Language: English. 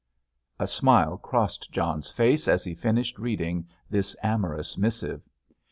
A smile crossed John's face as he finished reading this amorous missive.